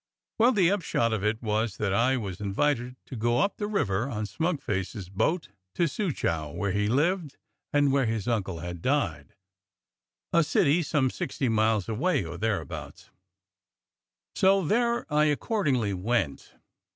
Well, the upshot of it all was that I was invited to go up the river on smug face's boat to Soo chow, where he lived and where his uncle had died, a city some sixty miles away or thereabouts. So there I accordingly went.